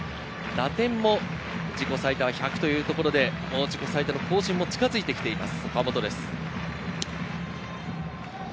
打点も自己最多１００というところで自己最多の更新も近づいてきています。